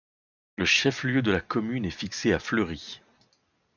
Le chef-lieu de la commune est fixé à Fleury.